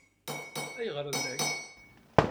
Ayɣeṛ d nekk?